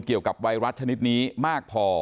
เกี่ยวกับไวรัสชนิดนี้มากพอ